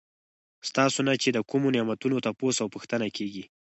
ستاسو نه چې د کومو نعمتونو تپوس او پوښتنه کيږي